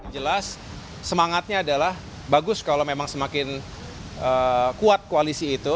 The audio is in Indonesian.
jelas semangatnya adalah bagus kalau memang semakin kuat koalisi itu